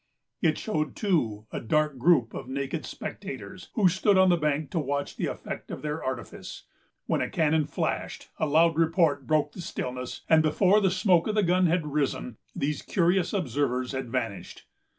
It showed, too, a dark group of naked spectators, who stood on the bank to watch the effect of their artifice, when a cannon flashed, a loud report broke the stillness, and before the smoke of the gun had risen, these curious observers had vanished.